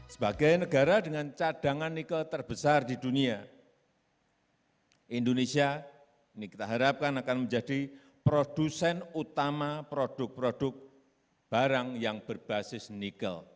sebagai negara dengan cadangan nikel terbesar di dunia indonesia ini kita harapkan akan menjadi produsen utama produk produk barang yang berbasis nikel